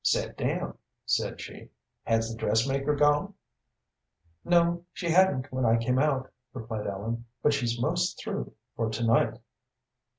"Set down," said she. "Has the dressmaker gone?" "No, she hadn't when I came out," replied Ellen, "but she's most through for to night."